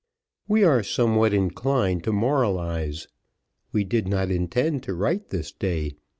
We are somewhat inclined to moralise. We did not intend to write this day.